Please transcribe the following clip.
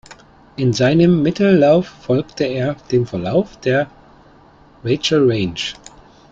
In seinem Mittellauf folgt er dem Verlauf der Rachel Range.